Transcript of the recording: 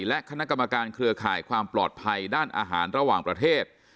และคณะกรรมการเครือข่ายความปลอดภัยด้านอาหารระหว่างประเทศ